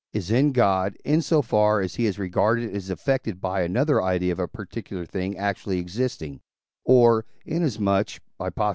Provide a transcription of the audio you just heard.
is in God, in so far as he is regarded as affected by another idea of a particular thing actually existing: or, inasmuch as (Post.